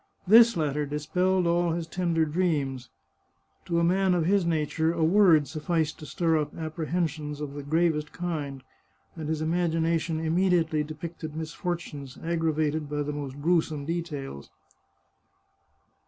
This letter dispelled all his tender dreams. To a man of his nature a word sufficed to stir up apprehensions of the gravest kind, and his imagination im mediately depicted misfortunes aggravated by the most gruesome details.